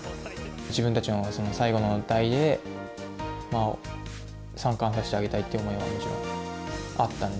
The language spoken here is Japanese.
自分たちの最後の代で、三冠を達成させてあげたいっていう思いはもちろんあったんで。